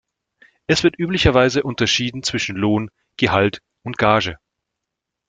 Es wird üblicherweise unterschieden zwischen Lohn, Gehalt und Gage.